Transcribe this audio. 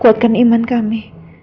kuatkan iman kami